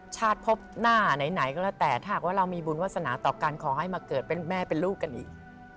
ชาติพบหน้าไหนก็แล้วแต่ถ้าหากว่าเรามีบุญวาสนาต่อกันขอให้มาเกิดเป็นแม่เป็นลูกกันอีก